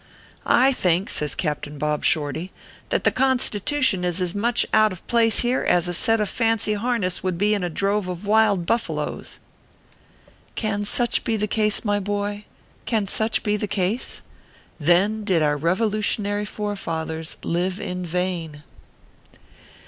I think/ says Captain Bob Shorty, " that the Constitution is as much out of place here as a set of fancy harness would be in a drove of wild buffaloes/ Can such be the case, my boy can such be the case ? Then did our [Revolutionary forefathers live in vain.